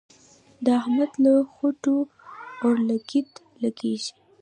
د احمد له خوټو اورلګيت لګېږي.